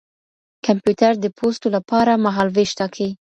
کمپيوټر د پوسټو له پاره مهالوېش ټاکي.